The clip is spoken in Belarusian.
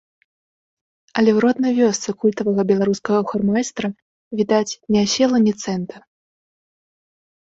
Але ў роднай вёсцы культавага беларускага хормайстра, відаць, не асела ні цэнта.